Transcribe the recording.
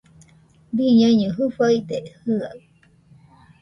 Biñaiño jɨfaide jɨaɨ